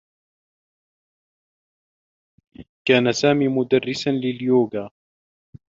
كان سامي مدرّسا لليوغا.